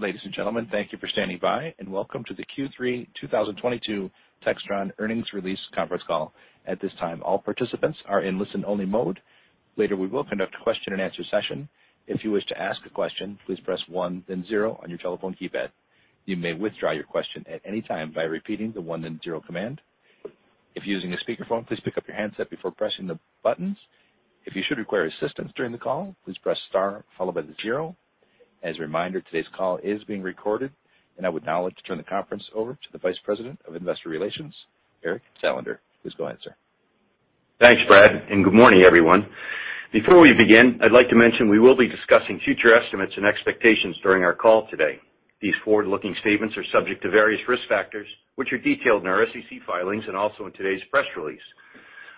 Ladies and gentlemen, thank you for standing by and welcome to the Q3 2022 Textron Earnings Release Conference Call. At this time, all participants are in listen-only mode. Later, we will conduct a question-and-answer session. If you wish to ask a question, please press one then zero on your telephone keypad. You may withdraw your question at any time by repeating the one then zero command. If you're using a speakerphone, please pick up your handset before pressing the buttons. If you should require assistance during the call, please press star followed by the zero. As a reminder, today's call is being recorded. I would now like to turn the conference over to the Vice President of Investor Relations, Eric Salander. Please go ahead, sir. Thanks, Brad, and good morning, everyone. Before we begin, I'd like to mention we will be discussing future estimates and expectations during our call today. These forward-looking statements are subject to various risk factors, which are detailed in our SEC filings and also in today's press release.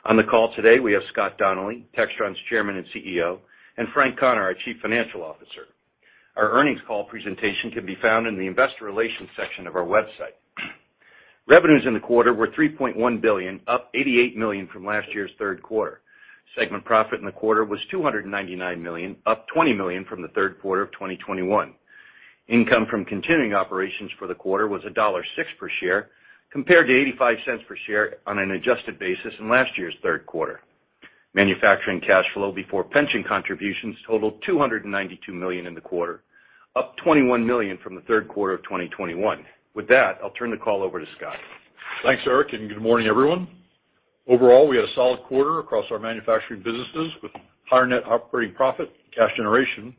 On the call today, we have Scott Donnelly, Textron's Chairman and CEO, and Frank Connor, our Chief Financial Officer. Our earnings call presentation can be found in the investor relations section of our website. Revenues in the quarter were $3.1 billion, up $88 million from last year's third quarter. Segment profit in the quarter was $299 million, up $20 million from the third quarter of 2021. Income from continuing operations for the quarter was $1.06 per share, compared to $0.85 per share on an adjusted basis in last year's third quarter. Manufacturing cash flow before pension contributions totaled $292 million in the quarter, up $21 million from the third quarter of 2021. With that, I'll turn the call over to Scott. Thanks, Eric, and good morning, everyone. Overall, we had a solid quarter across our manufacturing businesses with higher net operating profit, cash generation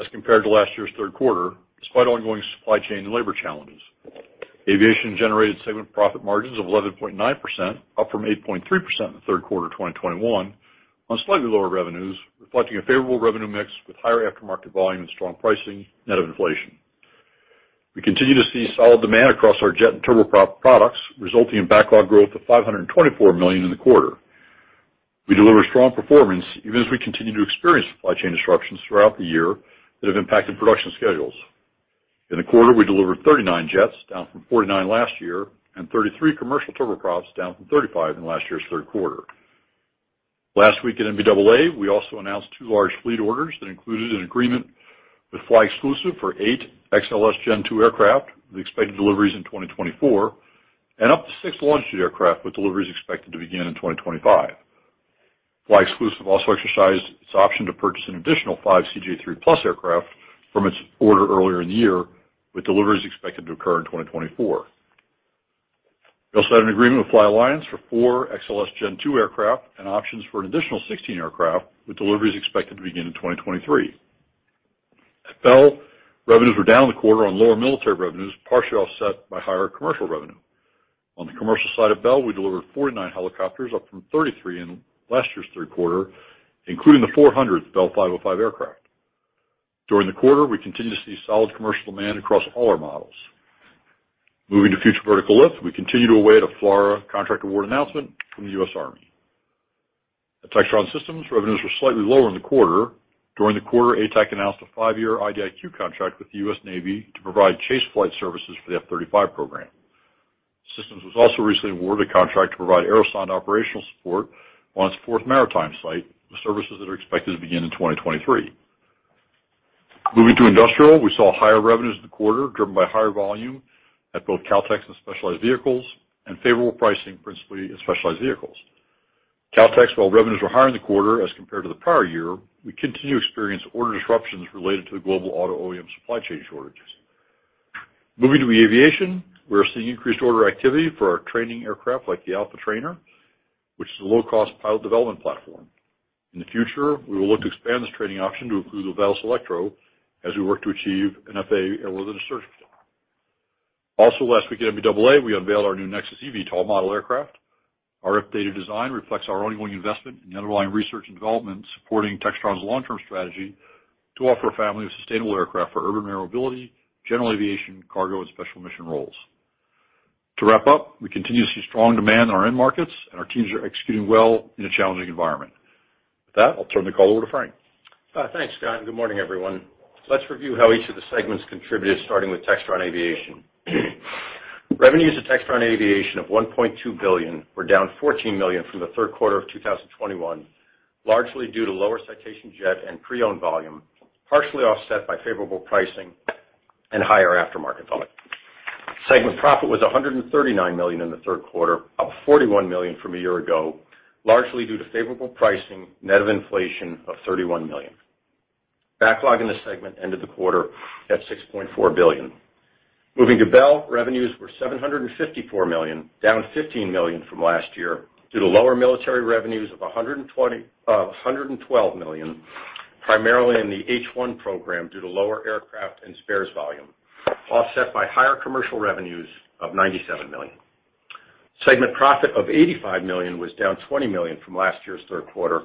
as compared to last year's third quarter, despite ongoing supply chain and labor challenges. Aviation generated segment profit margins of 11.9%, up from 8.3% in the third quarter of 2021, on slightly lower revenues, reflecting a favorable revenue mix with higher aftermarket volume and strong pricing net of inflation. We continue to see solid demand across our jet and turboprop products, resulting in backlog growth of $524 million in the quarter. We delivered strong performance even as we continue to experience supply chain disruptions throughout the year that have impacted production schedules. In the quarter, we delivered 39 jets, down from 49 last year, and 33 commercial turboprops, down from 35 in last year's third quarter. Last week at NBAA, we also announced two large fleet orders that included an agreement with flyExclusive for eight XLS Gen2 aircraft with expected deliveries in 2024, and up to six Longitude aircraft with deliveries expected to begin in 2025. flyExclusive also exercised its option to purchase an additional five CJ3+ aircraft from its order earlier in the year, with deliveries expected to occur in 2024. We also had an agreement with Fly Alliance for four XLS Gen2 aircraft and options for an additional 16 aircraft, with deliveries expected to begin in 2023. At Bell, revenues were down in the quarter on lower military revenues, partially offset by higher commercial revenue. On the commercial side of Bell, we delivered 49 helicopters, up from 33 in last year's third quarter, including the 400th Bell 505 aircraft. During the quarter, we continue to see solid commercial demand across all our models. Moving to Future Vertical Lift, we continue to await a FLRAA contract award announcement from the U.S. Army. At Textron Systems, revenues were slightly lower in the quarter. During the quarter, ATAC announced a five-year IDIQ contract with the U.S. Navy to provide chase flight services for the F-35 program. Systems was also recently awarded a contract to provide Aerosonde operational support on its fourth maritime site, with services that are expected to begin in 2023. Moving to industrial, we saw higher revenues in the quarter, driven by higher volume at both Kautex and Specialized Vehicles and favorable pricing, principally in Specialized Vehicles. Kautex, while revenues were higher in the quarter as compared to the prior year, we continue to experience order disruptions related to the global auto OEM supply chain shortages. Moving to aviation, we are seeing increased order activity for our training aircraft like the Alpha Trainer, which is a low-cost pilot development platform. In the future, we will look to expand this training option to include the Velis Electro as we work to achieve an FAA airworthiness certificate. Also last week at NBAA, we unveiled our new Nexus eVTOL model aircraft. Our updated design reflects our ongoing investment in the underlying research and development supporting Textron's long-term strategy to offer a family of sustainable aircraft for urban aerial mobility, general aviation, cargo, and special mission roles. To wrap up, we continue to see strong demand in our end markets, and our teams are executing well in a challenging environment. With that, I'll turn the call over to Frank. Thanks, Scott, and good morning, everyone. Let's review how each of the segments contributed, starting with Textron Aviation. Revenues at Textron Aviation of $1.2 billion were down $14 million from the third quarter of 2021, largely due to lower Citation jet and pre-owned volume, partially offset by favorable pricing and higher aftermarket volume. Segment profit was $139 million in the third quarter, up $41 million from a year ago, largely due to favorable pricing net of inflation of $31 million. Backlog in the segment ended the quarter at $6.4 billion. Moving to Bell, revenues were $754 million, down $15 million from last year due to lower military revenues of $112 million, primarily in the H-1 program due to lower aircraft and spares volume, offset by higher commercial revenues of $97 million. Segment profit of $85 million was down $20 million from last year's third quarter,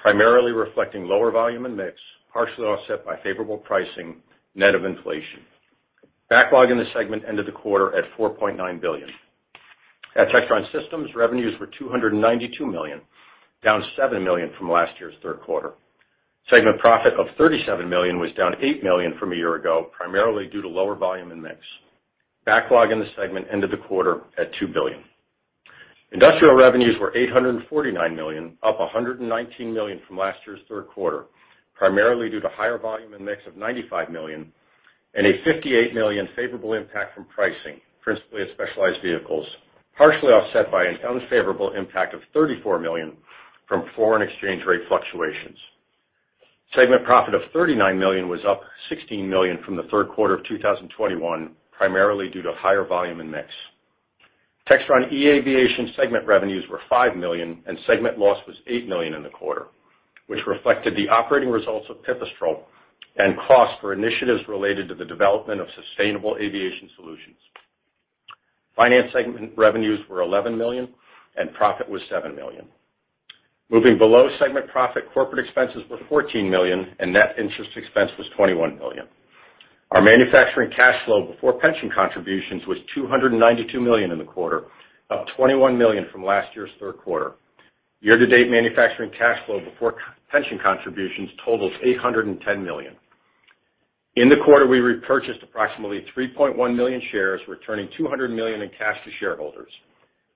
primarily reflecting lower volume and mix, partially offset by favorable pricing net of inflation. Backlog in the segment ended the quarter at $4.9 billion. At Textron Systems, revenues were $292 million, down $7 million from last year's third quarter. Segment profit of $37 million was down $8 million from a year ago, primarily due to lower volume and mix. Backlog in the segment ended the quarter at $2 billion. Industrial revenues were $849 million, up $119 million from last year's third quarter, primarily due to higher volume and mix of $95 million, and a $58 million favorable impact from pricing, principally in Specialized Vehicles, partially offset by an unfavorable impact of $34 million from foreign exchange rate fluctuations. Segment profit of $39 million was up $16 million from the third quarter of 2021, primarily due to higher volume and mix. Textron eAviation segment revenues were $5 million, and segment loss was $8 million in the quarter, which reflected the operating results of Pipistrel and costs for initiatives related to the development of sustainable aviation solutions. Finance segment revenues were $11 million, and profit was $7 million. Moving below segment profit, corporate expenses were $14 million, and net interest expense was $21 million. Our manufacturing cash flow before pension contributions was $292 million in the quarter, up $21 million from last year's third quarter. Year-to-date manufacturing cash flow before pension contributions totals $810 million. In the quarter, we repurchased approximately 3.1 million shares, returning $200 million in cash to shareholders.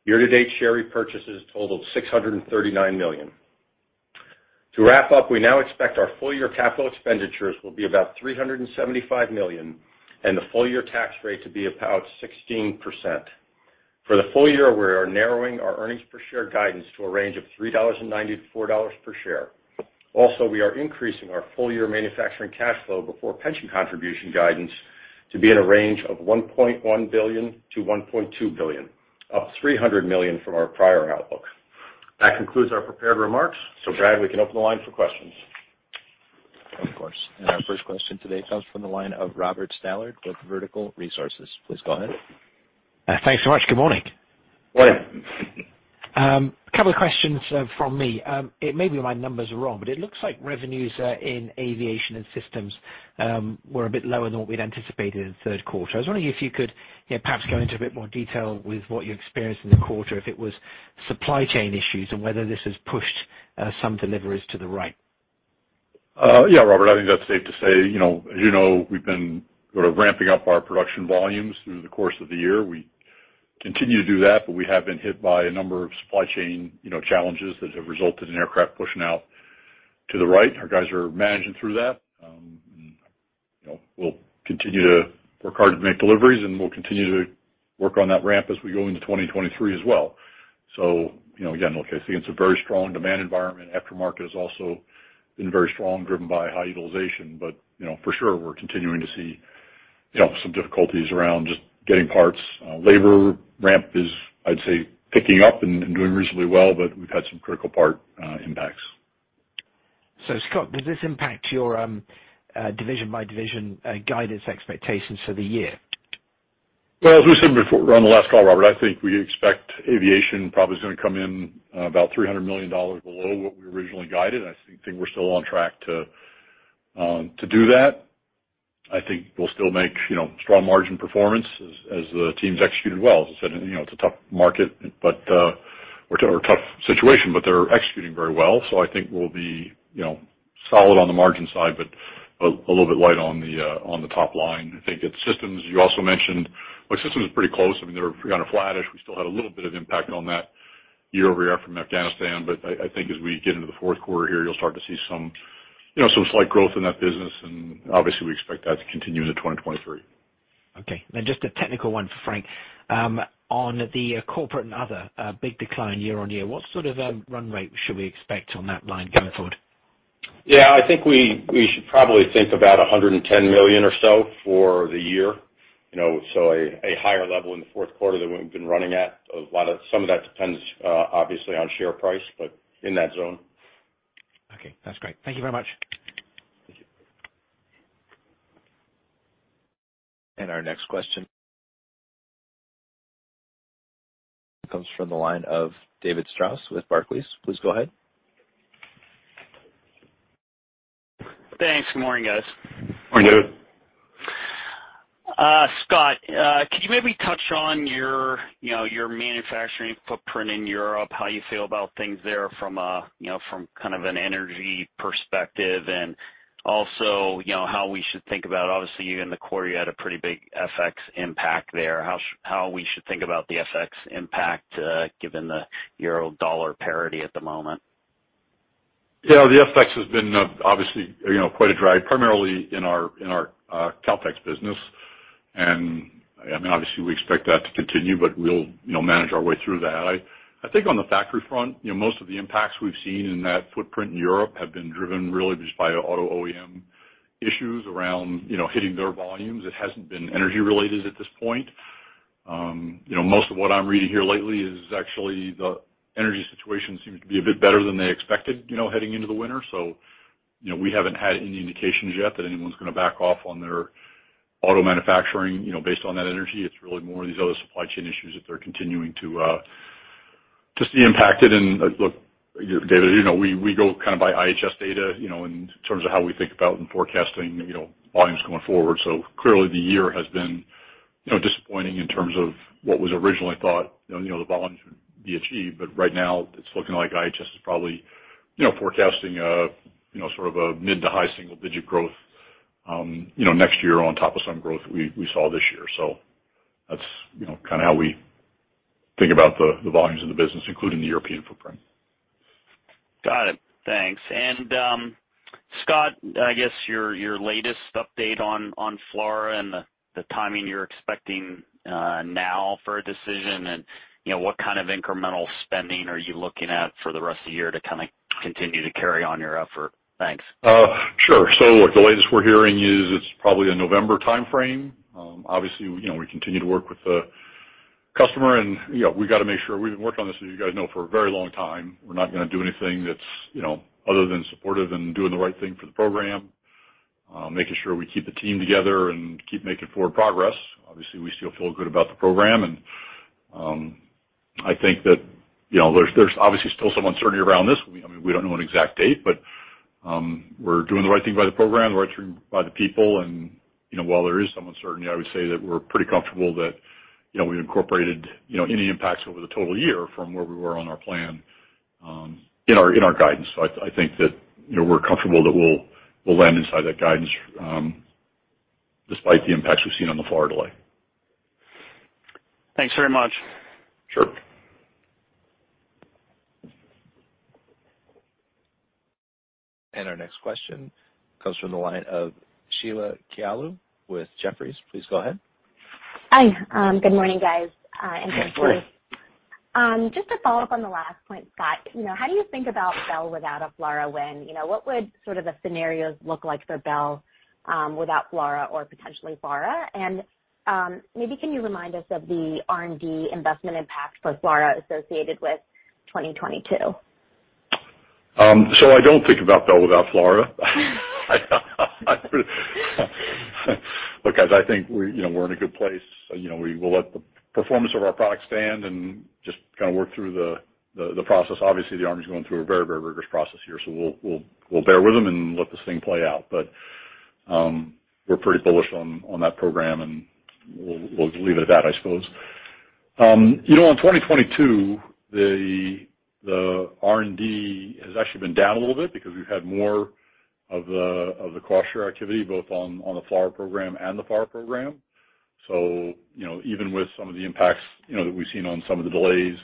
Year-to-date share repurchases totaled $639 million. To wrap up, we now expect our full year capital expenditures will be about $375 million, and the full year tax rate to be about 16%. For the full year, we are narrowing our earnings per share guidance to a range of $3.90-$4 per share. Also, we are increasing our full year manufacturing cash flow before pension contribution guidance to be in a range of $1.1 billion-$1.2 billion, up $300 million from our prior outlook. That concludes our prepared remarks, so Brad, we can open the line for questions. Of course. Our first question today comes from the line of Robert Stallard with Vertical Research Partners. Please go ahead. Thanks so much. Good morning. Morning. A couple of questions from me. It may be my numbers are wrong, but it looks like revenues in aviation and systems were a bit lower than what we'd anticipated in the third quarter. I was wondering if you could, you know, perhaps go into a bit more detail with what you experienced in the quarter, if it was supply chain issues and whether this has pushed some deliveries to the right. Yeah, Robert. I think that's safe to say. You know, as you know, we've been sort of ramping up our production volumes through the course of the year. We continue to do that, but we have been hit by a number of supply chain, you know, challenges that have resulted in aircraft pushing out to the right. Our guys are managing through that. You know, we'll continue to work hard to make deliveries, and we'll continue to work on that ramp as we go into 2023 as well. You know, again, look, I see it's a very strong demand environment. Aftermarket has also been very strong, driven by high utilization. You know, for sure, we're continuing to see, you know, some difficulties around just getting parts. Labor ramp is, I'd say, picking up and doing reasonably well, but we've had some critical part impacts. Scott, does this impact your division by division guidance expectations for the year? Well, as we said before on the last call, Robert, I think we expect aviation probably is gonna come in about $300 million below what we originally guided. I think we're still on track to do that. I think we'll still make, you know, strong margin performance as the teams execute well. As I said, you know, it's a tough market, but a tough situation, but they're executing very well. I think we'll be, you know, solid on the margin side, but a little bit light on the top line. I think at systems, you also mentioned like systems is pretty close. I mean, they were kinda flat-ish. We still had a little bit of impact on that year-over-year from Afghanistan. I think as we get into the fourth quarter here, you'll start to see some, you know, some slight growth in that business, and obviously we expect that to continue into 2023. Okay. Just a technical one for Frank. On the corporate and other, big decline year on year, what sort of run rate should we expect on that line going forward? Yeah. I think we should probably think about $110 million or so for the year, you know, so a higher level in the fourth quarter than we've been running at. Some of that depends, obviously, on share price, but in that zone. Okay, that's great. Thank you very much. Thank you. Our next question comes from the line of David Strauss with Barclays. Please go ahead. Thanks. Good morning, guys. Morning, David. Scott, could you maybe touch on your, you know, your manufacturing footprint in Europe, how you feel about things there from kind of an energy perspective? You know, how we should think about, obviously, your quarter had a pretty big FX impact there. How we should think about the FX impact, given the euro dollar parity at the moment? Yeah. The FX has been obviously, you know, quite a drag, primarily in our Kautex business. I mean, obviously we expect that to continue, but we'll, you know, manage our way through that. I think on the factory front, you know, most of the impacts we've seen in that footprint in Europe have been driven really just by auto OEM issues around, you know, hitting their volumes. It hasn't been energy related at this point. You know, most of what I'm reading here lately is actually the energy situation seems to be a bit better than they expected, you know, heading into the winter. You know, we haven't had any indications yet that anyone's gonna back off on their auto manufacturing, you know, based on that energy. It's really more of these other supply chain issues that they're continuing to see impacted. Look, David, you know, we go kind of by IHS data, you know, in terms of how we think about and forecasting, you know, volumes going forward. Clearly the year has been, you know, disappointing in terms of what was originally thought, you know, the volumes would be achieved. Right now it's looking like IHS is probably, you know, forecasting, you know, sort of a mid- to high-single-digit growth, you know, next year on top of some growth we saw this year. That's, you know, kind of how we think about the volumes in the business, including the European footprint. Got it. Thanks. Scott, I guess your latest update on FLRAA and the timing you're expecting now for a decision and, you know, what kind of incremental spending are you looking at for the rest of the year to kind of continue to carry on your effort? Thanks. Sure. Look, the latest we're hearing is it's probably a November timeframe. Obviously, you know, we continue to work with the customer and, you know, we gotta make sure we've been working on this, as you guys know, for a very long time. We're not gonna do anything that's, you know, other than supportive and doing the right thing for the program, making sure we keep the team together and keep making forward progress. Obviously, we still feel good about the program. I think that, you know, there's obviously still some uncertainty around this. I mean, we don't know an exact date, but, we're doing the right thing by the program, the right thing by the people. You know, while there is some uncertainty, I would say that we're pretty comfortable that, you know, we've incorporated, you know, any impacts over the total year from where we were on our plan, in our guidance. I think that, you know, we're comfortable that we'll land inside that guidance, despite the impacts we've seen on the FLRAA delay. Thanks very much. Sure. Our next question comes from the line of Sheila Kahyaoglu with Jefferies. Please go ahead. Hi. Good morning, guys, and good afternoon. Hi, Sheila. Just to follow up on the last point, Scott. You know, how do you think about Bell without a FLRAA win? You know, what would sort of the scenarios look like for Bell, without FLRAA or potentially FLRAA? Maybe can you remind us of the R&D investment impact for FLRAA associated with 2022? I don't think about Bell without FLRAA. Look, guys, I think you know, we're in a good place. You know, we will let the performance of our products stand and just kind of work through the process. Obviously, the Army's going through a very rigorous process here, so we'll bear with them and let this thing play out. We're pretty bullish on that program, and we'll leave it at that, I suppose. You know, on 2022, the R&D has actually been down a little bit because we've had more of the cost share activity, both on the FLRAA program. You know, even with some of the impacts that we've seen on some of the delays,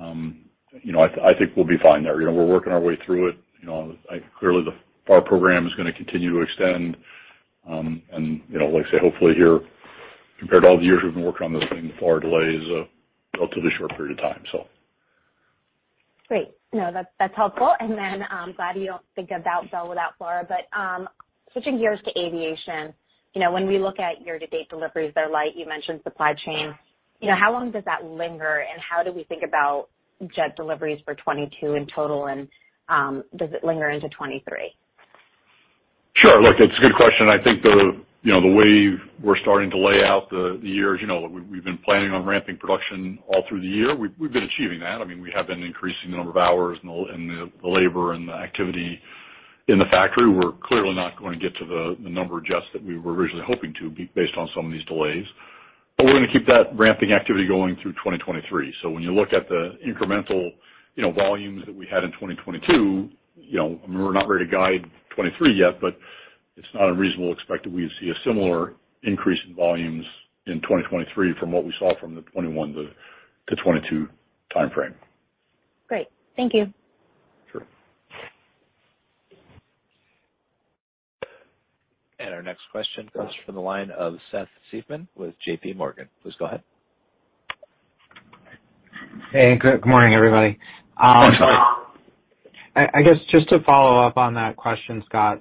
I think we'll be fine there. You know, we're working our way through it. You know, clearly the FLRAA program is gonna continue to extend. You know, like I say, hopefully here, compared to all the years we've been working on this thing, the FLRAA delay is a relatively short period of time, so. Great. No, that's helpful. Then, glad you don't think about Bell without FLRAA. Switching gears to aviation. You know, when we look at year-to-date deliveries, they're light. You mentioned supply chain. You know, how long does that linger, and how do we think about jet deliveries for 2022 in total? Does it linger into 2023? Sure. Look, it's a good question. I think the, you know, the way we're starting to lay out the years, you know, we've been planning on ramping production all through the year. We've been achieving that. I mean, we have been increasing the number of hours and the labor and the activity in the factory. We're clearly not going to get to the number of jets that we were originally hoping to be based on some of these delays. We're gonna keep that ramping activity going through 2023. When you look at the incremental, you know, volumes that we had in 2022, you know, I mean, we're not ready to guide 2023 yet, but it's not unreasonable to expect that we see a similar increase in volumes in 2023 from what we saw from the 2021 to 2022 timeframe. Great. Thank you. Sure. Our next question comes from the line of Seth Seifman with J.P. Morgan. Please go ahead. Hey, good morning, everybody. Good morning. I guess just to follow up on that question, Scott.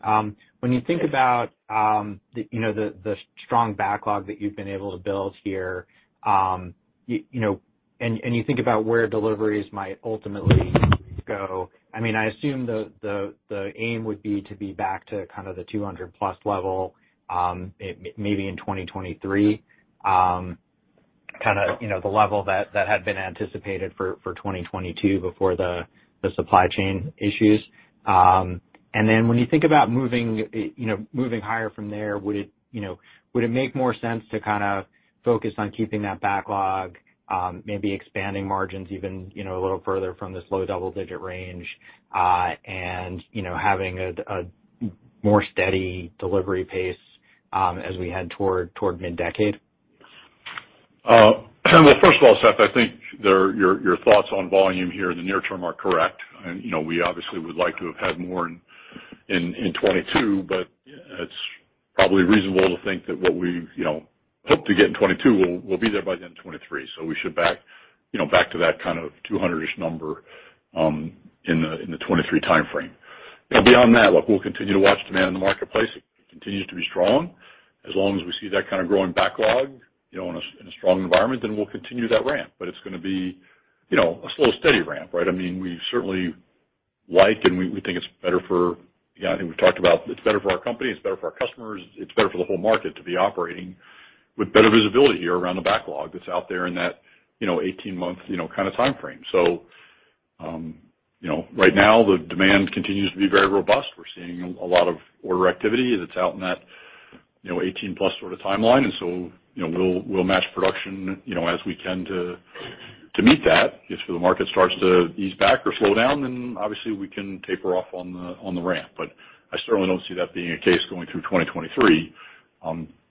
When you think about the strong backlog that you've been able to build here, you know, and you think about where deliveries might ultimately go, I mean, I assume the aim would be to be back to kind of the 200+ level, maybe in 2023, kind of, you know, the level that had been anticipated for 2022 before the supply chain issues. When you think about moving, you know, moving higher from there, would it, you know, make more sense to kind of focus on keeping that backlog, maybe expanding margins even, you know, a little further from this low double-digit range, and having a more steady delivery pace as we head toward mid-decade? Well, first of all, Seth, I think your thoughts on volume here in the near term are correct. You know, we obviously would like to have had more in 2022, but it's probably reasonable to think that what we hope to get in 2022 will be there by the end of 2023. We should back to that kind of 200-ish number in the 2023 timeframe. You know, beyond that, look, we'll continue to watch demand in the marketplace. It continues to be strong. As long as we see that kind of growing backlog, you know, in a strong environment, then we'll continue that ramp. It's gonna be a slow, steady ramp, right? I mean, we certainly like and we think it's better for, you know, I think we've talked about it's better for our company, it's better for our customers, it's better for the whole market to be operating with better visibility here around the backlog that's out there in that, you know, 18-month, you know, kind of timeframe. You know, right now the demand continues to be very robust. We're seeing a lot of order activity that's out in that, you know, 18+ sort of timeline. You know, we'll match production, you know, as we can to meet that, if the market starts to ease back or slow down, then obviously we can taper off on the ramp. I certainly don't see that being a case going through 2023,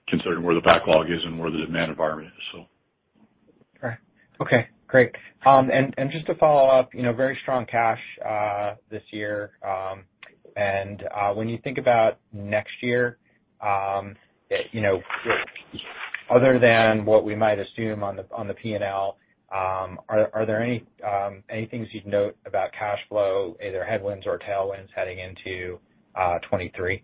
considering where the backlog is and where the demand environment is so. All right. Okay, great. Just to follow up, you know, very strong cash this year. When you think about next year, you know, other than what we might assume on the P&L, are there any things you'd note about cash flow, either headwinds or tailwinds heading into 2023?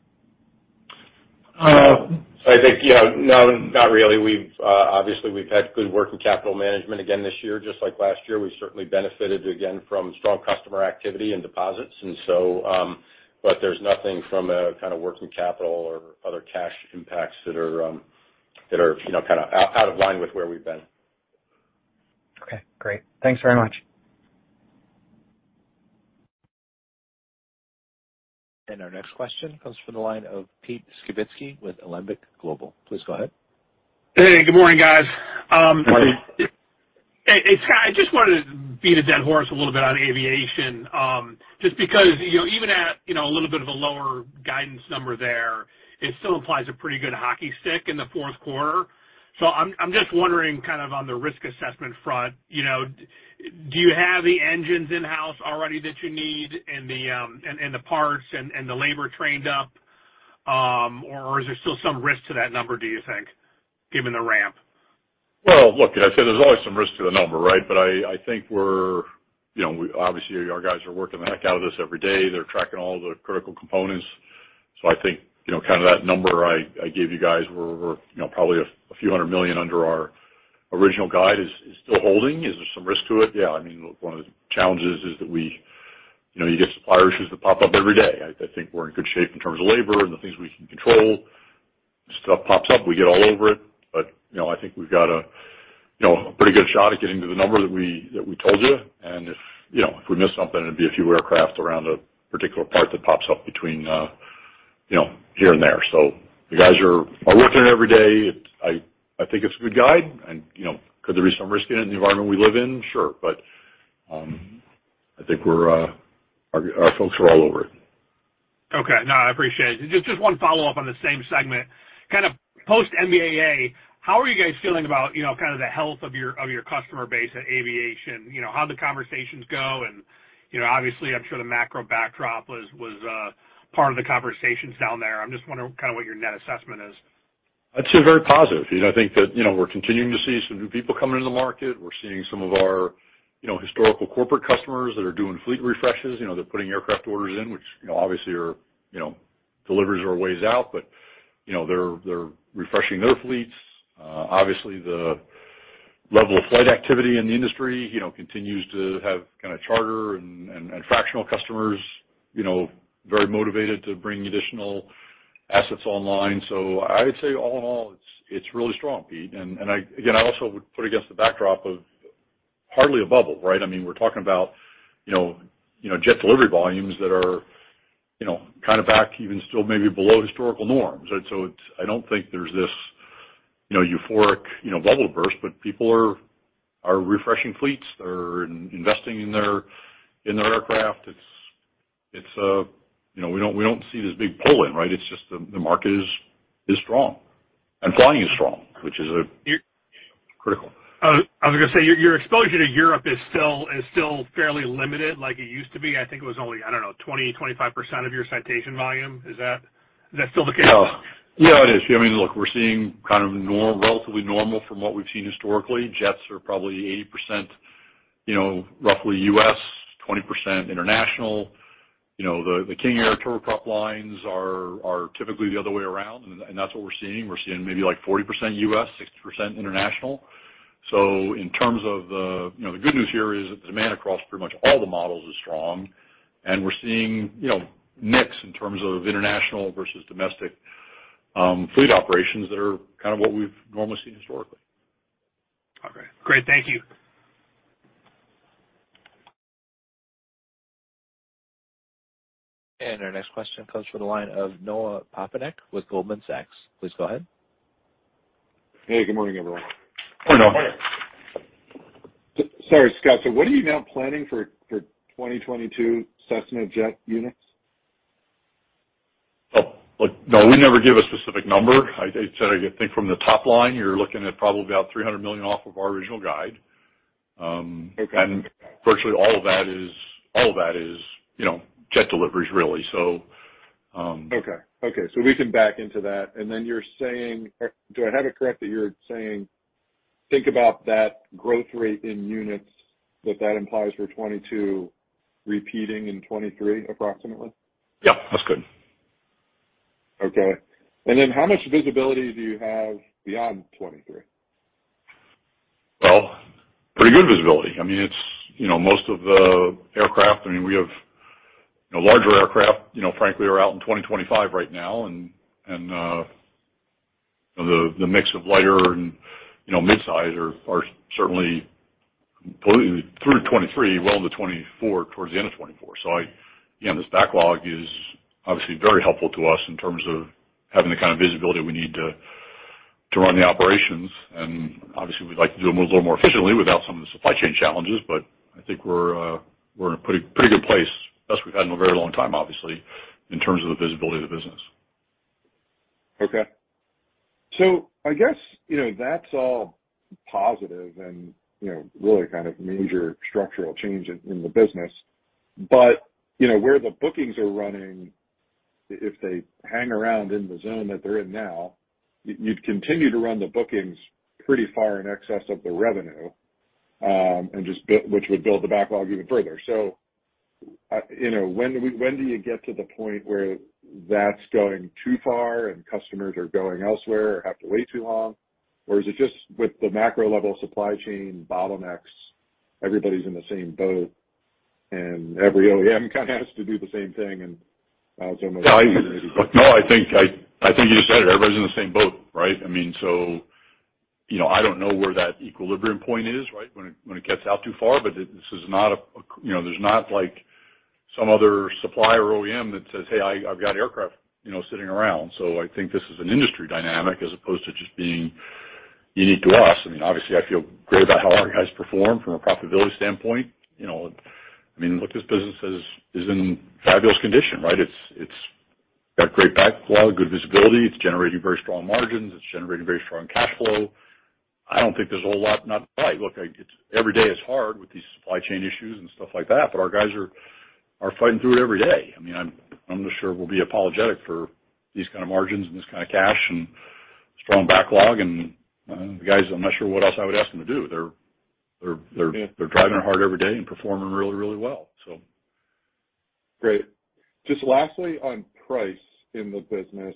I think, you know, no, not really. We've obviously had good working capital management again this year, just like last year. We certainly benefited again from strong customer activity and deposits. There's nothing from a kind of working capital or other cash impacts that are, you know, kind of out of line with where we've been. Okay, great. Thanks very much. Our next question comes from the line of Pete Skibitski with Alembic Global. Please go ahead. Hey, good morning, guys. Good morning. Hey Scott, I just wanted to beat a dead horse a little bit on aviation, just because, you know, even at, you know, a little bit of a lower guidance number there, it still implies a pretty good hockey stick in the fourth quarter. I'm just wondering kind of on the risk assessment front, you know, do you have the engines in-house already that you need and the parts and the labor trained up? Or is there still some risk to that number, do you think, given the ramp? Well, look, I'd say there's always some risk to the number, right? I think we're, you know, obviously, our guys are working the heck out of this every day. They're tracking all the critical components. I think, you know, kind of that number I gave you guys, we're probably a few hundred million under our original guide is still holding. Is there some risk to it? Yeah. I mean, one of the challenges is that we, you know, you get supplier issues that pop up every day. I think we're in good shape in terms of labor and the things we can control. Stuff pops up, we get all over it. I think we've got a pretty good shot at getting to the number that we told you. If, you know, if we miss something, it'd be a few aircraft around a particular part that pops up between, you know, here and there. The guys are working every day. I think it's a good guide and, you know, could there be some risk in it in the environment we live in? Sure. I think our folks are all over it. Okay. No, I appreciate it. Just one follow-up on the same segment. Kind of post NBAA, how are you guys feeling about, you know, kind of the health of your customer base at aviation? You know, how the conversations go and, you know, obviously, I'm sure the macro backdrop was part of the conversations down there. I'm just wondering kind of what your net assessment is. I'd say very positive. You know, I think that, you know, we're continuing to see some new people coming into the market. We're seeing some of our, you know, historical corporate customers that are doing fleet refreshes. You know, they're putting aircraft orders in which, you know, obviously are, you know, deliveries are a ways out, but, you know, they're refreshing their fleets. Obviously, the level of flight activity in the industry, you know, continues to have kind of charter and fractional customers, you know, very motivated to bring additional assets online. I would say all in all, it's really strong, Pete. I also would put against the backdrop of hardly a bubble, right? I mean, we're talking about, you know, jet delivery volumes that are, you know, kind of back even still maybe below historical norms. I don't think there's this, you know, euphoric, you know, bubble burst, but people are refreshing fleets. They're investing in their aircraft. It's, you know, we don't see this big pull in, right? It's just the market is strong and flying is strong, which is critical. I was gonna say, your exposure to Europe is still fairly limited like it used to be. I think it was only, I don't know, 20%-25% of your Citation volume. Is that still the case? Yeah, it is. I mean, look, we're seeing kind of relatively normal from what we've seen historically. Jets are probably 80%, you know, roughly U.S., 20% international. You know, the King Air turboprop lines are typically the other way around, and that's what we're seeing. We're seeing maybe like 40% U.S., 60% international. In terms of, you know, the good news here is that the demand across pretty much all the models is strong. We're seeing, you know, mix in terms of international versus domestic fleet operations that are kind of what we've normally seen historically. Okay. Great. Thank you. Our next question comes from the line of Noah Poponak with Goldman Sachs. Please go ahead. Hey, good morning, everyone. Hello, Noah. Sorry, Scott. What are you now planning for 2022 Cessna jet units? Oh, look, no, we never give a specific number. I said, I think from the top line, you're looking at probably about $300 million off of our original guide. Virtually all of that is, you know, jet deliveries, really. Okay. We can back into that. You're saying. Do I have it correct that you're saying, think about that growth rate in units, that implies for 2022 repeating in 2023 approximately? Yeah, that's good. Okay. How much visibility do you have beyond 2023? Well, pretty good visibility. I mean, it's, you know, most of the aircraft, I mean, we have, you know, larger aircraft, you know, frankly, are out in 2025 right now. The mix of lighter and, you know, mid-size are certainly through to 2023, well into 2024, towards the end of 2024. I, you know, this backlog is obviously very helpful to us in terms of having the kind of visibility we need to run the operations, and obviously, we'd like to do them a little more efficiently without some of the supply chain challenges. I think we're in a pretty good place. Best we've had in a very long time, obviously, in terms of the visibility of the business. Okay. I guess, you know, that's all positive and, you know, really kind of major structural change in the business. But, you know, where the bookings are running, if they hang around in the zone that they're in now, you'd continue to run the bookings pretty far in excess of the revenue, and which would build the backlog even further. You know, when do you get to the point where that's going too far and customers are going elsewhere or have to wait too long? Or is it just with the macro level supply chain bottlenecks, everybody's in the same boat and every OEM kind of has to do the same thing, and it's almost-- No, I think you just said it. Everybody's in the same boat, right? I mean, so, you know, I don't know where that equilibrium point is, right? When it gets out too far. This is not a you know, there's not like some other supplier or OEM that says, "Hey, I've got aircraft, you know, sitting around." I think this is an industry dynamic as opposed to just being unique to us. I mean, obviously, I feel great about how our guys perform from a profitability standpoint. You know, I mean, look, this business is in fabulous condition, right? It's got great backlog, good visibility. It's generating very strong margins. It's generating very strong cash flow. I don't think there's a whole lot not to like. Look, like, it's every day is hard with these supply chain issues and stuff like that, but our guys are fighting through it every day. I mean, I'm not sure we'll be apologetic for these kind of margins and this kind of cash and strong backlog. The guys, I'm not sure what else I would ask them to do. They're driving hard every day and performing really, really well, so. Great. Just lastly, on price in the business,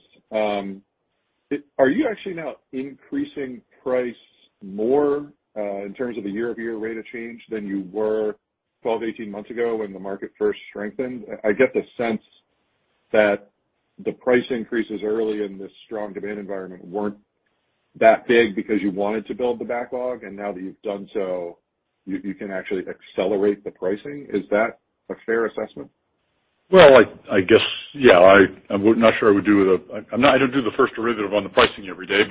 are you actually now increasing price more, in terms of the year-over-year rate of change than you were 12, 18 months ago when the market first strengthened? I get the sense that the price increases early in this strong demand environment weren't that big because you wanted to build the backlog, and now that you've done so, you can actually accelerate the pricing. Is that a fair assessment? Well, I guess, yeah. I'm not sure. I don't do the first derivative on the pricing every day.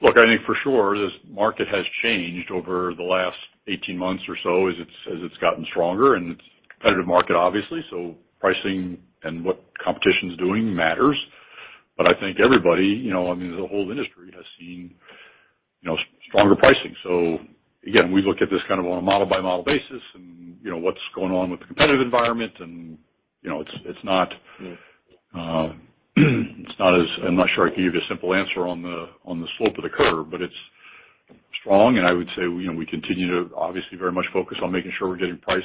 Look, I think for sure this market has changed over the last 18 months or so as it's gotten stronger, and it's competitive market obviously, so pricing and what competition is doing matters. I think everybody, you know, I mean, the whole industry has seen, you know, stronger pricing. Again, we look at this kind of on a model-by-model basis and, you know, what's going on with the competitive environment and, you know, it's not. I'm not sure I can give you a simple answer on the slope of the curve, but it's strong. I would say, you know, we continue to obviously very much focus on making sure we're getting price,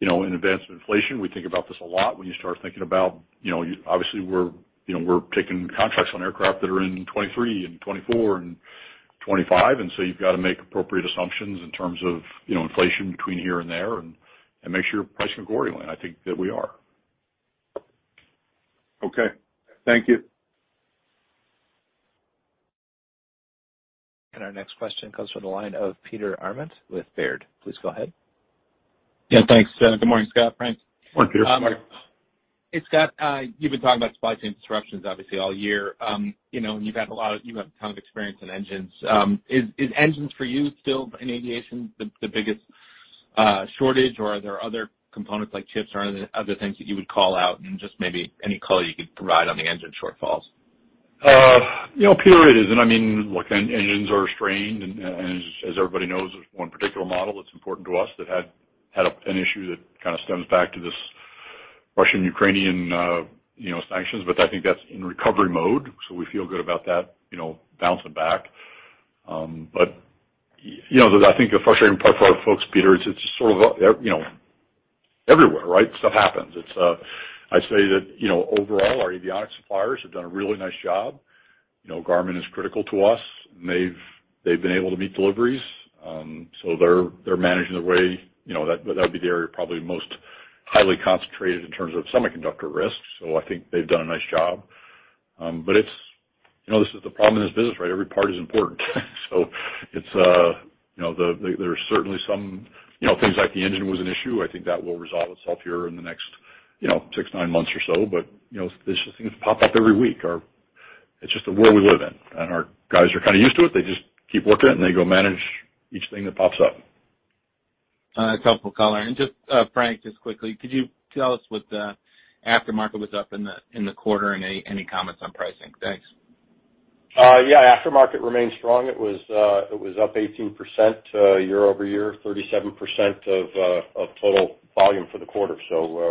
you know, in advance of inflation. We think about this a lot when you start thinking about, you know, obviously we're, you know, we're taking contracts on aircraft that are in 2023 and 2024 and 2025, and so you've got to make appropriate assumptions in terms of, you know, inflation between here and there, and make sure you're pricing accordingly. I think that we are. Okay. Thank you. Our next question comes from the line of Peter Arment with Baird. Please go ahead. Yeah, thanks. Good morning, Scott, Frank. Morning, Peter. Good morning. Hey, Scott, you've been talking about supply chain disruptions obviously all year. You know, you have a ton of experience in engines. Is engines for you still in aviation the biggest shortage, or are there other components like chips or other things that you would call out and just maybe any color you could provide on the engine shortfalls? You know, Peter, I mean, look, engines are strained and as everybody knows, there's one particular model that's important to us that had an issue that kind of stems back to this Russian-Ukrainian, you know, sanctions, but I think that's in recovery mode, so we feel good about that, you know, bouncing back. You know, I think the frustrating part for our folks, Peter, it's just sort of, you know, everywhere, right? Stuff happens. It's, I'd say that, you know, overall our avionics suppliers have done a really nice job. You know, Garmin is critical to us, and they've been able to meet deliveries. So they're managing their way. You know, that would be the area probably most highly concentrated in terms of semiconductor risk. I think they've done a nice job. It's, you know, this is the problem in this business, right? Every part is important. It's, you know, there's certainly some, you know, things like the engine was an issue. I think that will resolve itself here in the next, you know, six-nine months or so. You know, there's just things pop up every week or it's just the world we live in. Our guys are kind of used to it. They just keep working, and they go manage each thing that pops up. Helpful color. Just, Frank, just quickly, could you tell us what the aftermarket was up in the quarter and any comments on pricing? Thanks. Yeah, aftermarket remained strong. It was up 18% year-over-year, 37% of total volume for the quarter.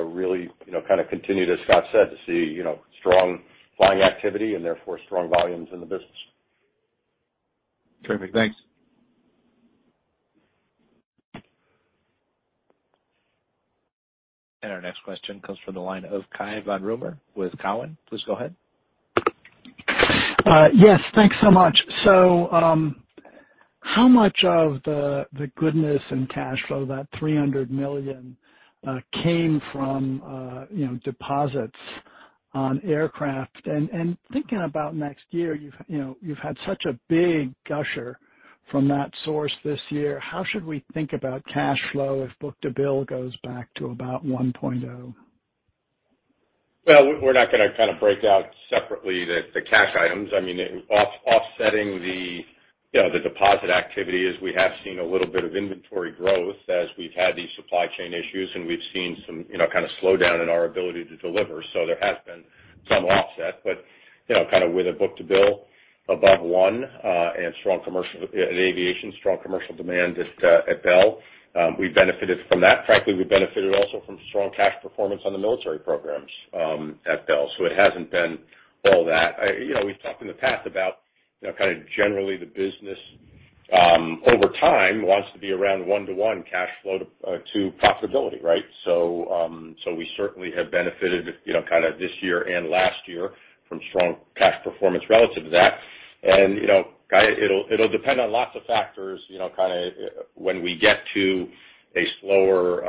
Really, you know, kind of continue, as Scott said, to see, you know, strong flying activity and therefore strong volumes in the business. Terrific. Thanks. Our next question comes from the line of Cai von Rumohr with Cowen. Please go ahead. Yes, thanks so much. How much of the goodness and cash flow, that $300 million, came from you know, deposits on aircraft? Thinking about next year, you know, you've had such a big gusher from that source this year. How should we think about cash flow if book-to-bill goes back to about 1.0x? Well, we're not gonna kind of break out separately the cash items. I mean, offsetting the, you know, the deposit activity is we have seen a little bit of inventory growth as we've had these supply chain issues, and we've seen some, you know, kind of slowdown in our ability to deliver. There has been some offset, but, you know, kind of with a book to bill above one, and strong commercial in aviation, strong commercial demand just at Bell, we benefited from that. Frankly, we benefited also from strong cash performance on the military programs at Bell. It hasn't been all that. You know, we've talked in the past about, you know, kind of generally the business over time wants to be around one-to-one cash flow to profitability, right? We certainly have benefited, you know, kind of this year and last year from strong cash performance relative to that. You know, kind of it'll depend on lots of factors, you know, kind of when we get to a slower,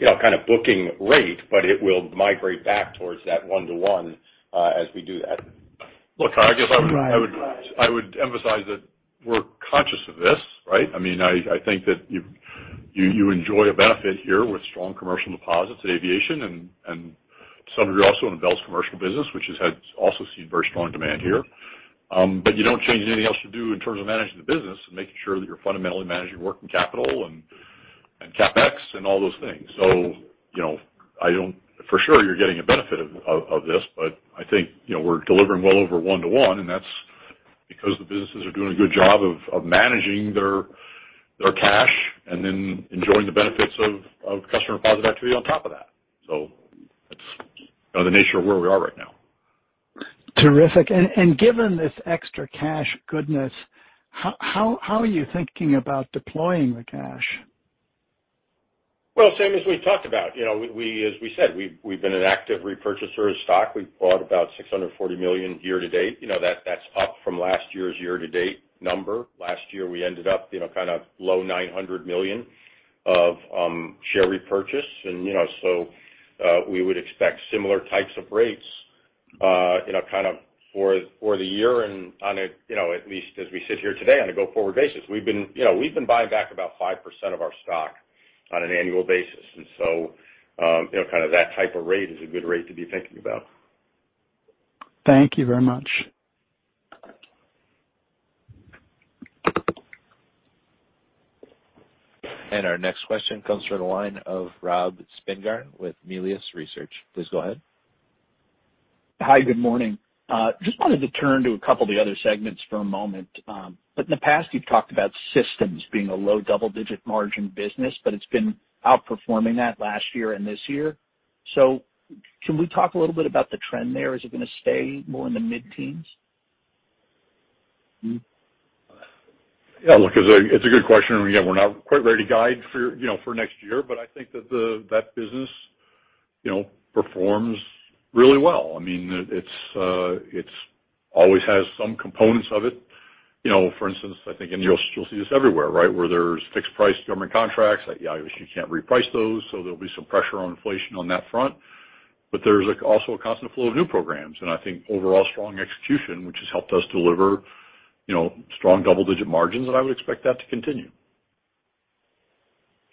you know, kind of booking rate, but it will migrate back towards that 1:1, as we do that. Look, I guess I would emphasize that we're conscious of this, right? I mean, I think that you enjoy a benefit here with strong commercial deposits in aviation and to some degree also in Bell's commercial business, which has also seen very strong demand here. You don't change anything else you do in terms of managing the business and making sure that you're fundamentally managing working capital and CapEx and all those things. You know, for sure, you're getting a benefit of this, but I think, you know, we're delivering well over 1:1, and that's because the businesses are doing a good job of managing their cash and then enjoying the benefits of customer deposit activity on top of that. That's, you know, the nature of where we are right now. Terrific. Given this extra cash goodness, how are you thinking about deploying the cash? Well, same as we've talked about. You know, we as we said, we've been an active repurchaser of stock. We've bought about $640 million year to date. You know, that's up from last year's year to date number. Last year, we ended up, you know, kind of low $900 million of share repurchase. You know, we would expect similar types of rates, you know, kind of for the year and on a, you know, at least as we sit here today on a go-forward basis. We've been, you know, we've been buying back about 5% of our stock on an annual basis. You know, kind of that type of rate is a good rate to be thinking about. Thank you very much. Our next question comes from the line of Robert Spingarn with Melius Research. Please go ahead. Hi, good morning. Just wanted to turn to a couple of the other segments for a moment. In the past, you've talked about systems being a low double-digit margin business, but it's been outperforming that last year and this year. Can we talk a little bit about the trend there? Is it gonna stay more in the mid-teens? Yeah, look, it's a good question. Again, we're not quite ready to guide for, you know, next year. But I think that business, you know, performs really well. I mean, it always has some components of it. You know, for instance, I think you'll see this everywhere, right? Where there's fixed price government contracts, obviously you can't reprice those, so there'll be some pressure on inflation on that front. But there's also a constant flow of new programs. I think overall strong execution, which has helped us deliver, you know, strong double-digit margins, and I would expect that to continue.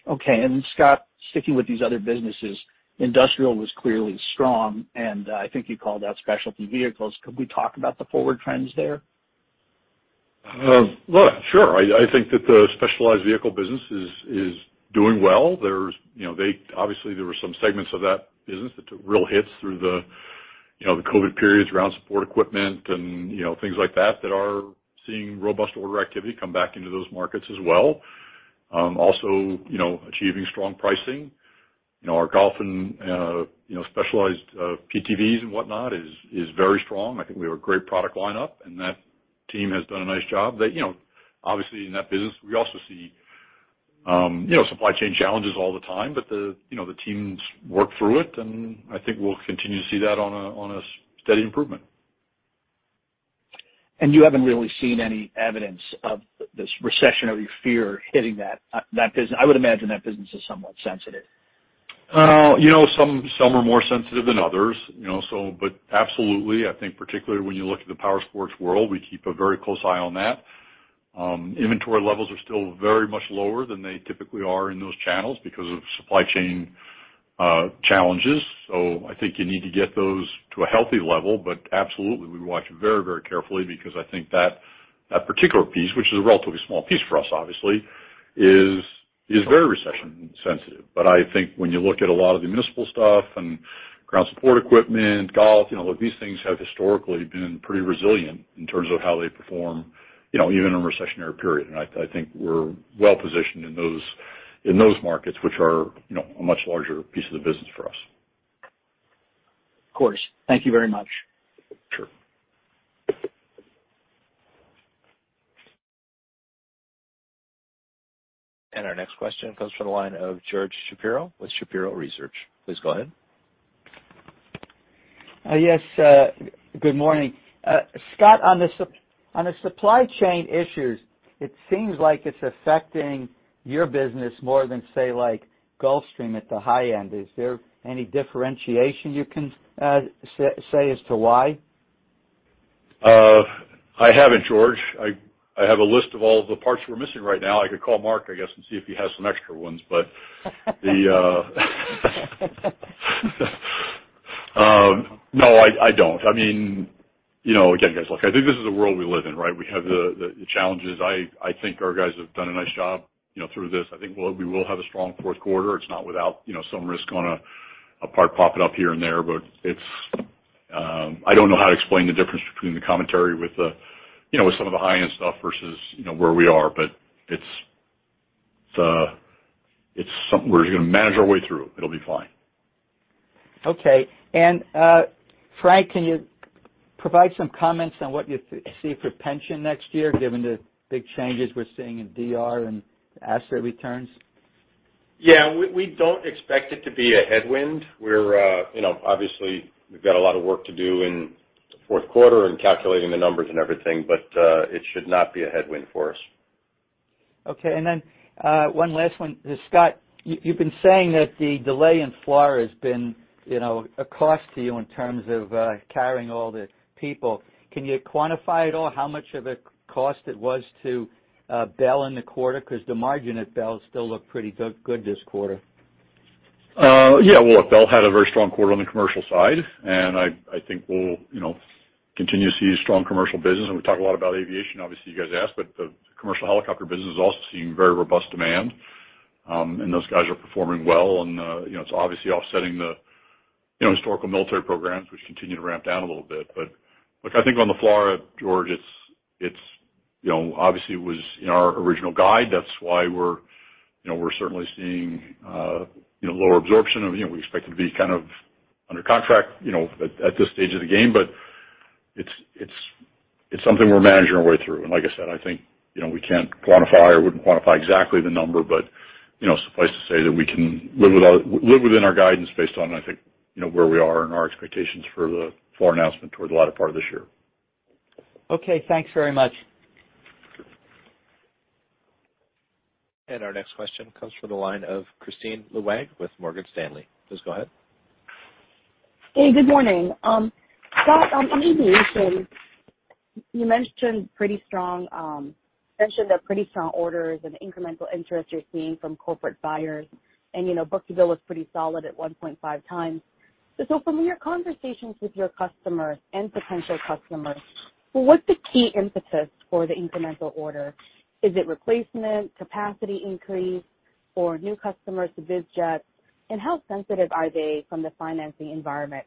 Okay. Scott, sticking with these other businesses, industrial was clearly strong, and I think you called out specialty vehicles. Could we talk about the forward trends there? Look, sure. I think that the specialized vehicle business is doing well. Obviously, there were some segments of that business that took real hits through the you know the COVID periods, ground support equipment and you know things like that that are seeing robust order activity come back into those markets as well. Also, you know, achieving strong pricing. You know, our golf and you know specialized PTVs and whatnot is very strong. I think we have a great product lineup, and that team has done a nice job. They you know obviously in that business, we also see you know supply chain challenges all the time. But you know the teams work through it, and I think we'll continue to see that on a steady improvement. You haven't really seen any evidence of this recessionary fear hitting that business? I would imagine that business is somewhat sensitive. You know, some are more sensitive than others, you know, but absolutely. I think particularly when you look at the power sports world, we keep a very close eye on that. Inventory levels are still very much lower than they typically are in those channels because of supply chain challenges. I think you need to get those to a healthy level. Absolutely, we watch it very, very carefully because I think that particular piece, which is a relatively small piece for us, obviously, is very recession sensitive. I think when you look at a lot of the municipal stuff and ground support equipment, golf, you know, look, these things have historically been pretty resilient in terms of how they perform, you know, even in a recessionary period. I think we're well positioned in those markets, which are, you know, a much larger piece of the business for us. Of course. Thank you very much. Our next question comes from the line of George Shapiro with Shapiro Research. Please go ahead. Yes, good morning. Scott, on the supply chain issues, it seems like it's affecting your business more than, say, like Gulfstream at the high end. Is there any differentiation you can say as to why? I haven't, George. I have a list of all the parts we're missing right now. I could call Mark, I guess, and see if he has some extra ones, but no, I don't. I mean, you know, again, guys, look, I think this is a world we live in, right? We have the challenges. I think our guys have done a nice job, you know, through this. I think we will have a strong fourth quarter. It's not without, you know, some risk on a part popping up here and there, but it's something we're gonna manage our way through. It'll be fine. Okay. Frank, can you provide some comments on what you see for pension next year, given the big changes we're seeing in DR and asset returns? Yeah. We don't expect it to be a headwind. We're, you know, obviously, we've got a lot of work to do in the fourth quarter in calculating the numbers and everything, but, it should not be a headwind for us. Okay. One last one. Scott, you've been saying that the delay in FLRAA has been, you know, a cost to you in terms of carrying all the people. Can you quantify at all how much of a cost it was to Bell in the quarter? 'Cause the margin at Bell still looked pretty good this quarter. Well, look, Bell had a very strong quarter on the commercial side, and I think we'll, you know, continue to see a strong commercial business. We talk a lot about aviation, obviously, you guys ask, but the commercial helicopter business is also seeing very robust demand. Those guys are performing well. You know, it's obviously offsetting the, you know, historical military programs which continue to ramp down a little bit. Look, I think on the FLRAA, George, it's, you know, obviously was in our original guide. That's why we're, you know, we're certainly seeing, you know, lower absorption of, you know, we expect it to be kind of under contract, you know, at this stage of the game. It's something we're managing our way through. Like I said, I think, you know, we can't quantify or wouldn't quantify exactly the number, but, you know, suffice to say that we can live within our guidance based on, I think, you know, where we are and our expectations for the FLRAA announcement towards the latter part of this year. Okay, thanks very much. Our next question comes from the line of Kristine Liwag with Morgan Stanley. Please go ahead. Hey, good morning. Scott, on aviation, you mentioned the pretty strong orders and incremental interest you're seeing from corporate buyers. You know, book-to-bill was pretty solid at 1.5x. From your conversations with your customers and potential customers, what's the key impetus for the incremental order? Is it replacement, capacity increase, or new customers to biz jets? How sensitive are they to the financing environment?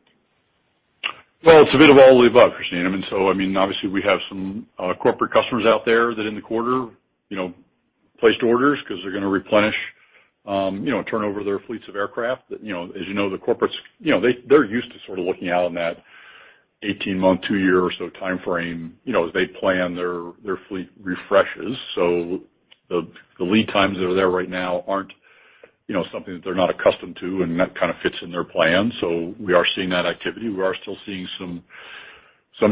Well, it's a bit of all the above, Kristine. I mean, obviously we have some corporate customers out there that in the quarter, you know, placed orders 'cause they're gonna replenish, you know, turn over their fleets of aircraft. That, you know, as you know, the corporates, you know, they they're used to sort of looking out on that 18-month, two-year or so timeframe, you know, as they plan their fleet refreshes. The lead times that are there right now aren't, you know, something that they're not accustomed to, and that kind of fits in their plan. We are seeing that activity. We are still seeing some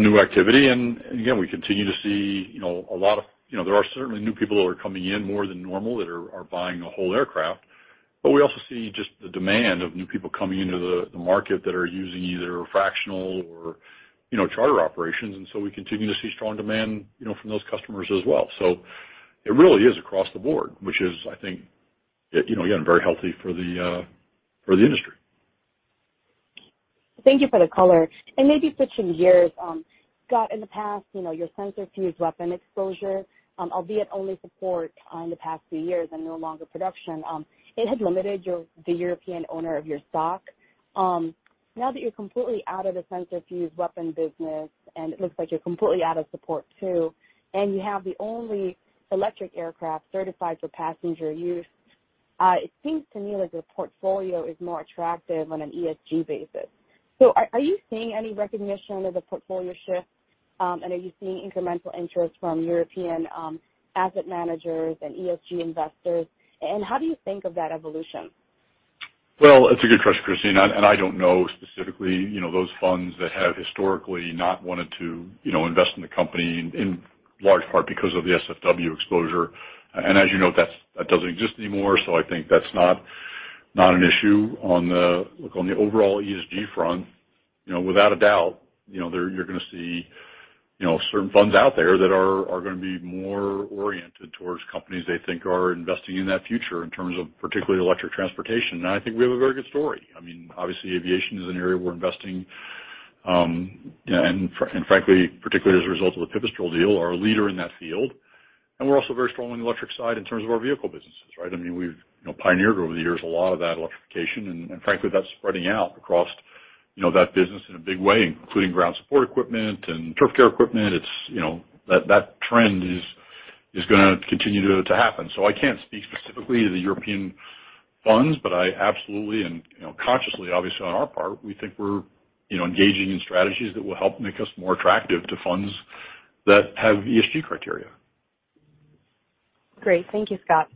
new activity. Again, we continue to see, you know, a lot of, you know, there are certainly new people that are coming in more than normal that are buying a whole aircraft. But we also see just the demand of new people coming into the market that are using either fractional or, you know, charter operations. We continue to see strong demand, you know, from those customers as well. It really is across the board, which is, I think, you know, again, very healthy for the industry. Thank you for the color. Maybe switching gears, Scott, in the past, you know, your Sensor Fuzed Weapon exposure, albeit only support in the past few years and no longer in production, it had limited the European ownership of your stock. Now that you're completely out of the Sensor Fuzed Weapon business, and it looks like you're completely out of support too, and you have the only electric aircraft certified for passenger use, it seems to me like your portfolio is more attractive on an ESG basis. So are you seeing any recognition of the portfolio shift? Are you seeing incremental interest from European asset managers and ESG investors? How do you think of that evolution? Well, it's a good question, Kristine, and I don't know specifically, you know, those funds that have historically not wanted to, you know, invest in the company in large part because of the SFW exposure. As you know, that doesn't exist anymore. I think that's not an issue. Look, on the overall ESG front, you know, without a doubt, you know, there you're gonna see, you know, certain funds out there that are gonna be more oriented towards companies they think are investing in that future in terms of particularly electric transportation. I think we have a very good story. I mean, obviously aviation is an area we're investing, you know, and frankly, particularly as a result of the Pipistrel deal, are a leader in that field. We're also very strong on the electric side in terms of our vehicle businesses, right? I mean, we've, you know, pioneered over the years a lot of that electrification, and frankly, that's spreading out across, you know, that business in a big way, including ground support equipment and turf care equipment. It's, you know, that trend is gonna continue to happen. I can't speak specifically to the European funds, but I absolutely and, you know, consciously, obviously, on our part, we think we're, you know, engaging in strategies that will help make us more attractive to funds that have ESG criteria. Great. Thank you, Scott.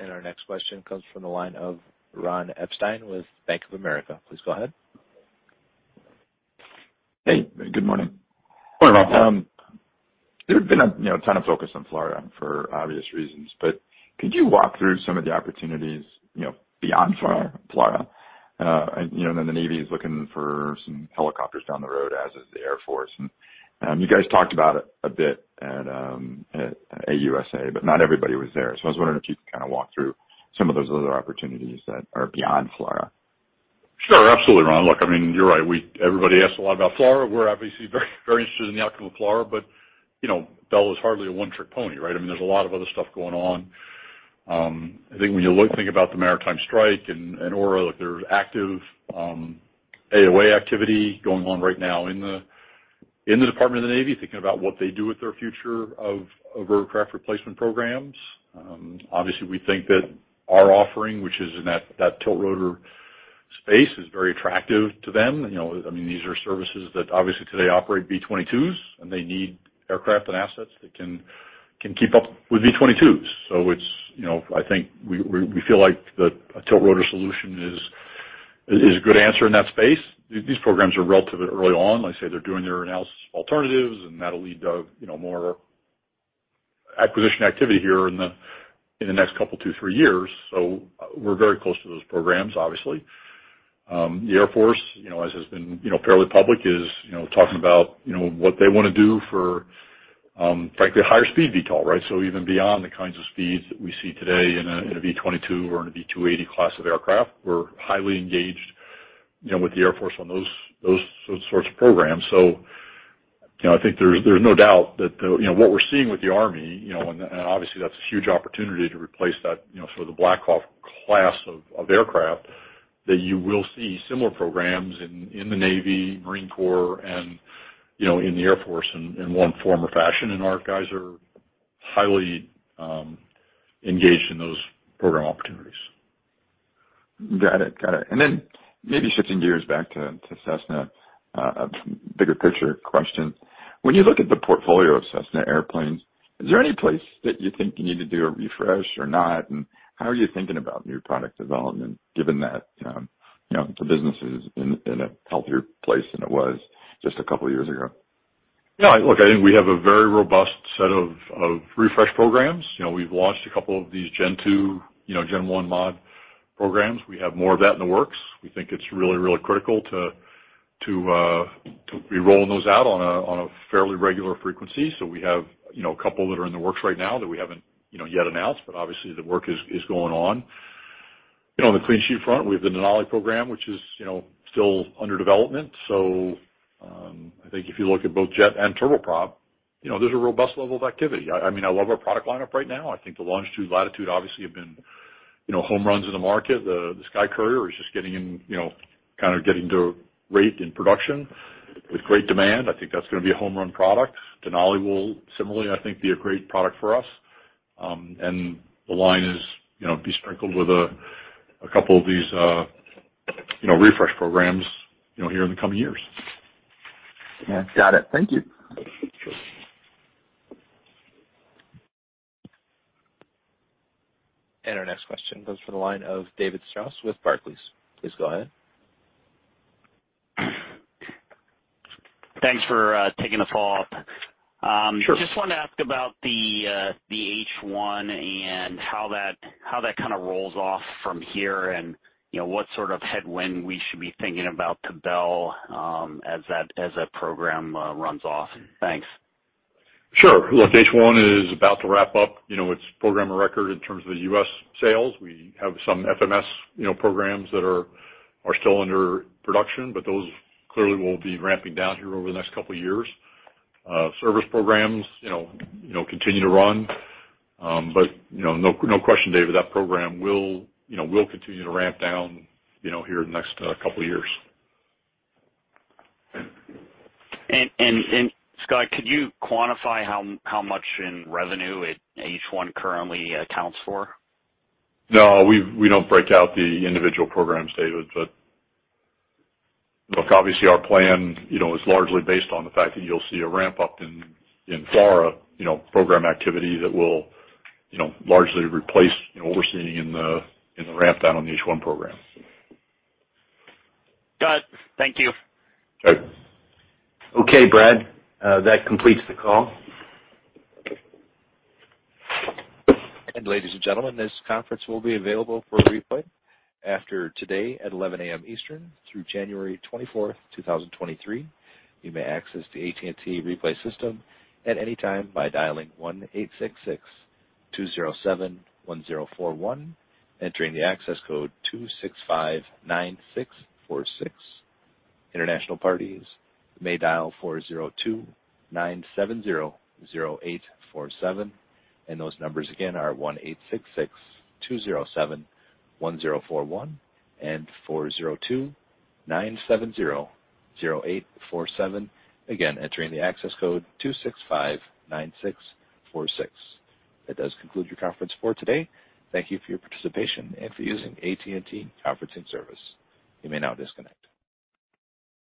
Our next question comes from the line of Ron Epstein with Bank of America. Please go ahead. Hey, good morning. Good morning, Ron. There had been a ton of focus on FLRAA for obvious reasons, but could you walk through some of the opportunities, you know, beyond FLRAA? You know, the Navy is looking for some helicopters down the road, as is the Air Force. You guys talked about it a bit at AUSA, but not everybody was there. I was wondering if you could kind of walk through some of those other opportunities that are beyond FLRAA. Sure. Absolutely, Ron. Look, I mean, you're right. Everybody asks a lot about FLRAA. We're obviously very, very interested in the outcome of FLRAA, but, you know, Bell is hardly a one-trick pony, right? I mean, there's a lot of other stuff going on. I think when you think about the maritime strike and [Aura], there's active AoA activity going on right now in the Department of the Navy, thinking about what they do with their future of aircraft replacement programs. Obviously, we think that our offering, which is in that tiltrotor space, is very attractive to them. You know, I mean, these are services that obviously today operate V-22s, and they need aircraft and assets that can keep up with V-22s. It's, you know, I think we feel like a tiltrotor solution is a good answer in that space. These programs are relatively early on. Like I say, they're doing their analysis of alternatives, and that'll lead to, you know, more acquisition activity here in the next couple, two, three years. We're very close to those programs, obviously. The Air Force, you know, as has been, you know, fairly public, is, you know, talking about, you know, what they wanna do for, frankly, higher speed VTOL, right? Even beyond the kinds of speeds that we see today in a V-22 or in a V-280 class of aircraft. We're highly engaged, you know, with the Air Force on those sorts of programs. You know, I think there's no doubt that the. You know, what we're seeing with the Army, you know, and obviously that's a huge opportunity to replace that, you know, sort of the Black Hawk class of aircraft, that you will see similar programs in the Navy, Marine Corps, and, you know, in the Air Force in one form or fashion. Our guys are highly engaged in those program opportunities. Got it. Then maybe shifting gears back to Cessna, a bigger picture question. When you look at the portfolio of Cessna airplanes, is there any place that you think you need to do a refresh or not? How are you thinking about new product development given that, you know, the business is in a healthier place than it was just a couple years ago? Yeah, look, I think we have a very robust set of refresh programs. You know, we've launched a couple of these Gen 2, you know, Gen 1 Mod programs. We have more of that in the works. We think it's really, really critical to be rolling those out on a fairly regular frequency. So we have, you know, a couple that are in the works right now that we haven't, you know, yet announced, but obviously the work is going on. You know, on the clean sheet front, we have the Denali program, which is, you know, still under development. So I think if you look at both jet and turboprop, you know, there's a robust level of activity. I mean, I love our product lineup right now. I think the Longitude, Latitude obviously have been, you know, home runs in the market. The SkyCourier is just getting in, you know, kind of getting to rate in production with great demand. I think that's gonna be a home run product. Denali will similarly, I think, be a great product for us. The line is, you know, be sprinkled with a couple of these, you know, refresh programs, you know, here in the coming years. Yeah, got it. Thank you. Sure. Our next question comes from the line of David Strauss with Barclays. Please go ahead. Thanks for taking the call. Just wanted to ask about the H-1 and how that kind of rolls off from here and, you know, what sort of headwind we should be thinking about to Bell, as that program runs off. Thanks. Sure. Look, H-1 is about to wrap up, you know, its program of record in terms of the U.S. sales. We have some FMS, you know, programs that are still under production, but those clearly will be ramping down here over the next couple years. Service programs, you know, continue to run. No question, David, that program will, you know, continue to ramp down, you know, here in the next couple years. Scott, could you quantify how much in revenue H-1 currently accounts for? No, we don't break out the individual programs, David. Look, obviously our plan, you know, is largely based on the fact that you'll see a ramp-up in FLRAA, you know, program activity that will, you know, largely replace what we're seeing in the ramp down on the H-1 program. Got it. Thank you. Sure. Okay. Brad, that completes the call. Ladies and gentlemen, this conference will be available for replay after today at 11 A.M. Eastern through January 24th, 2023. You may access the AT&T replay system at any time by dialing 1-866-207-1041, entering the access code 2659646. International parties may dial 402-970-0847. Those numbers again are 1-866-207-1041 and 402-970-0847. Again, entering the access code 2659646. That does conclude your conference for today. Thank you for your participation and for using AT&T conferencing service. You may now disconnect.